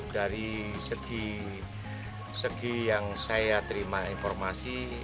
dari segi yang saya terima informasi